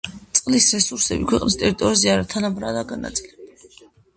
წყლის რესურსები ქვეყნის ტერიტორიაზე არათანაბრადაა განაწილებული.